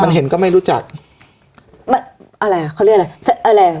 มันเห็นก็ไม่รู้จักมันอะไรอ่ะเขาเรียกอะไรอะไร